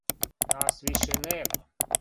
Нас више нема.